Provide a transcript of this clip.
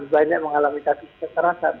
banyak mengalami kasus kekerasan